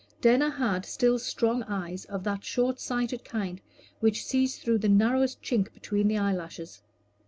Denner had still strong eyes of that short sighted kind which sees through the narrowest chink between the eyelashes.